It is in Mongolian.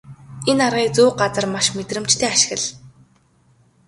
Энэ аргыг зөв газар маш мэдрэмжтэй ашигла.